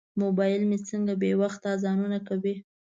موبایل مې څنګه بې وخته اذانونه کوي.